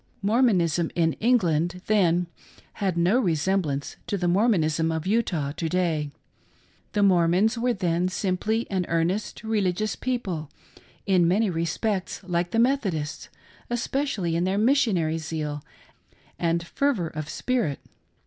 Mormonism in England, then, had no resemblance to the Mormonism of Utah to day. The Mormons were then sim ply an earnest religious' people, in many respects like the Methodists, especially in their missionary zeal and fervor of spirit.